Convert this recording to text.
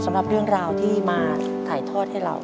สำหรับเรื่องราวที่มาถ่ายทอดให้เรา